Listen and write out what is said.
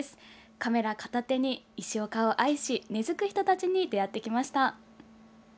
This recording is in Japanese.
カメラ片手に、石岡を愛し根付く人たちに出会ってきました。